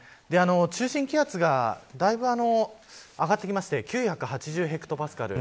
中心気圧がだいぶ上がってきて９８０ヘクトパスカル。